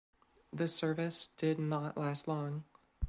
This service did not last long.